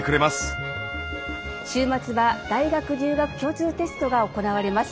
週末は大学入学共通テストが行われます。